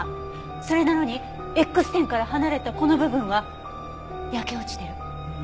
それなのにＸ点から離れたこの部分は焼け落ちてる。